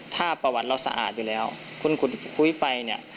ถ้าประวัติเราสะอาดอยู่แล้วคุณขุดคุยไปเนี่ย